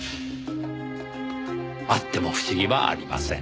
あっても不思議はありません。